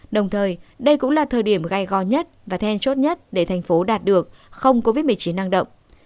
đồng thời đây cũng là thời điểm gai go nhất và then chốt nhất để thành phố đạt được không covid một mươi chín năng động